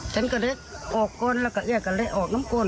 ฉันก็เรียกออกก้นแล้วก็เรียกก็เรียกออกน้ำก้น